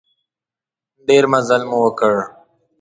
ډېر مزل مو وکړ.